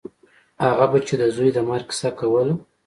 هغه به چې د زوى د مرګ کيسه کوله.